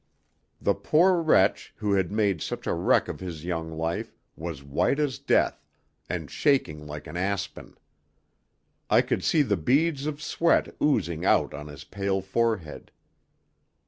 The poor wretch, who had made such a wreck of his young life, was white as death, and shaking like an aspen. I could see the beads of sweat oozing out on his pale forehead.